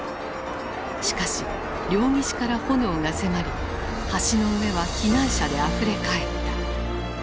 しかし両岸から炎が迫り橋の上は避難者であふれ返った。